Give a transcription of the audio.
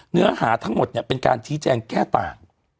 เนื้อหาทั้งหมดเนี่ยเป็นการชี้แจงแก้ต่าง